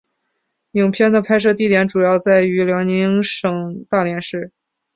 影片的拍摄地点主要在辽宁省大连市。